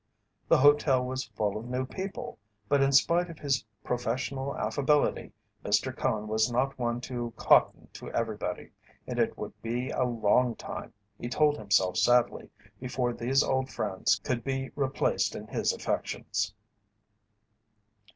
The hotel was full of new people, but in spite of his professional affability Mr. Cone was not one to "cotton" to everybody, and it would be a long time, he told himself sadly, before these old friends could be replaced in his affections.